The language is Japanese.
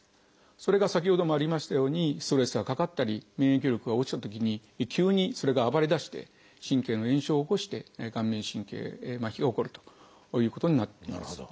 それが先ほどもありましたようにストレスがかかったり免疫力が落ちたときに急にそれが暴れだして神経の炎症を起こして顔面神経麻痺が起こるということになっています。